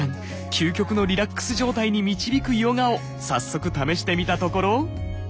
究極のリラックス状態に導くヨガを早速試してみたところ。